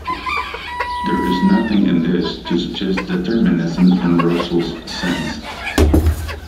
There is nothing in this to suggest determinism in Russell's sense.